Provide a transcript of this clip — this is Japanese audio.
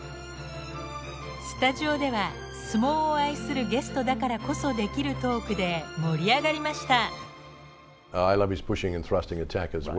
スタジオでは相撲を愛するゲストだからこそできるトークで盛り上がりました。